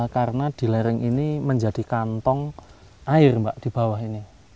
karena di lereng ini menjadi kantong air mbak di bawah ini